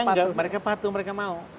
enggak mereka patuh mereka mau